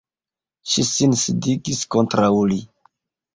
Ŝi sin sidigis kontraŭ li.